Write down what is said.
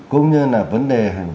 cũng như là vấn đề